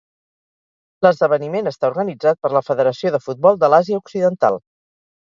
L'esdeveniment està organitzat per la Federació de Futbol de l'Àsia Occidental.